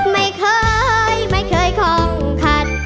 ไม่เคยไม่เคยคล่องคัน